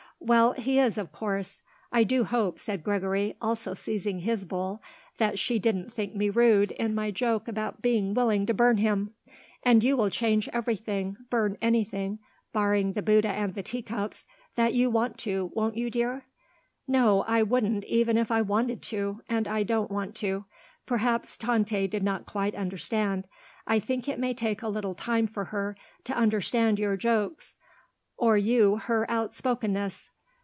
"Well, he is, of course. I do hope," said Gregory, also seizing his bull, "that she didn't think me rude in my joke about being willing to burn him. And you will change everything burn anything barring the Bouddha and the teacups that you want to, won't you, dear?" "No; I wouldn't, even if I wanted to; and I don't want to. Perhaps Tante did not quite understand. I think it may take a little time for her to understand your jokes or you her outspokenness.